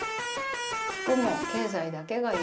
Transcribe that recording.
服も経済だけが優先。